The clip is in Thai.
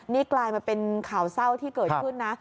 นี่กลายมาเป็นข่าวเศร้าที่เกิดขึ้นนะ